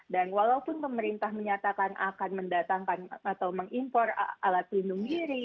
dan walaupun pemerintah menyatakan akan mendatangkan atau mengimpor alat pelindung diri